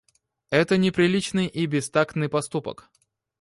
Это неприличный и бестактный поступок.